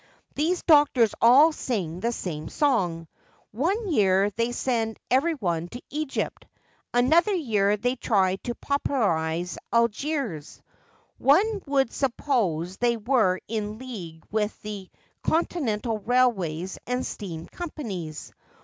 These doctors all sing the same song. One year thfy send everyone to Egypt, another year they try to popularise Algiers. One would suppose they were in league with the Con tinental railways and steam companies.